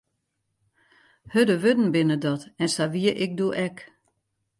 Hurde wurden binne dat, en sa wie ik doe ek.